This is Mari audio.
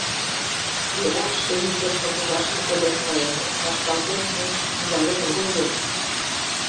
Йӧра, шкеже шочмо пыжашым коден каен гын, вашталтен монь, ужален огыл вет.